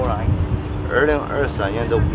kapal gunceng dua sudah sampai di cunggupo